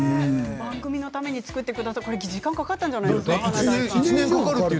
番組のために作ってくださって時間がかかったんじゃないですか。